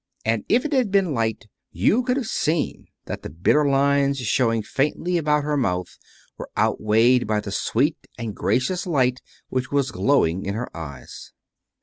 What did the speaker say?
And if it had been light you could have seen that the bitter lines showing faintly about her mouth were outweighed by the sweet and gracious light which was glowing in her eyes.